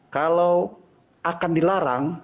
kalau akan dilarang